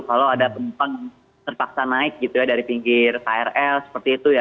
kalau ada penumpang terpaksa naik gitu ya dari pinggir krl seperti itu ya